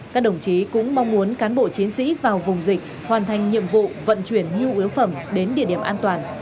các đồng chí cũng mong muốn cán bộ chiến sĩ vào vùng dịch hoàn thành nhiệm vụ vận chuyển nhu yếu phẩm đến địa điểm an toàn